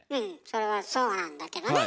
それはそうなんだけどね